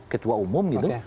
ketua umum gitu